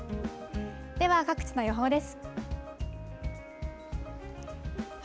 では、各地の予報です。